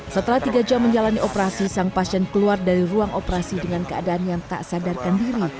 setelah tiga jam menjalani operasi sang pasien keluar dari ruang operasi dengan keadaan yang tak sadarkan diri